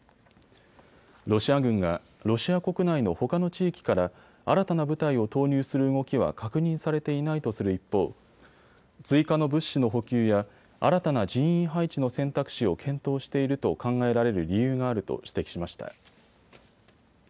ロシア軍がロシア国内のほかの地域から新たな部隊を投入する動きは確認されていないとする一方、追加の物資の補給や新たな人員配置の選択肢を検討していると考えられる理由があると指摘しました。